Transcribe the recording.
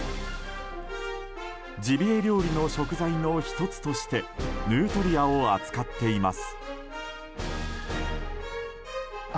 ジビエ料理の食材の１つとしてヌートリアを扱っています。